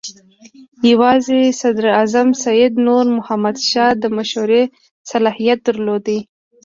یوازې صدراعظم سید نور محمد شاه د مشورې صلاحیت درلود.